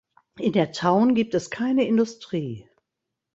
In der Town gibt es keine Industrie.